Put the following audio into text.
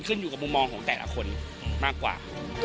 ขึ้นอยู่กับมุมมองของแต่ละคนมากกว่า